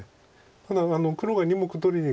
ただ黒が２目取りにいくと。